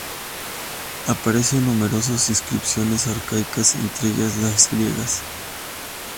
Aparece en numerosas inscripciones arcaicas, entre ellas las griegas.